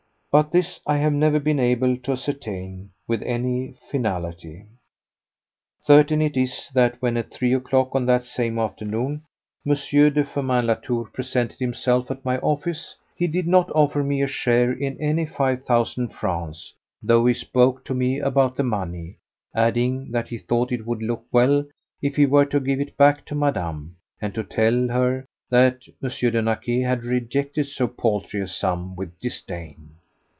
But this I have never been able to ascertain with any finality. Certain it is that when at three o'clock on that same afternoon M. de Firmin Latour presented himself at my office, he did not offer me a share in any five thousand francs, though he spoke to me about the money, adding that he thought it would look well if he were to give it back to Madame, and to tell her that M. de Naquet had rejected so paltry a sum with disdain.